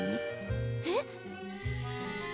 えっ？